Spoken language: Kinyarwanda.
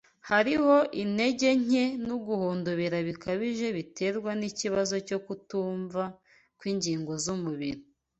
Hariho intege nke n’uguhondobera bikabije biterwa n’ikibazo cyo kutumva kw’ingingo z’umubiri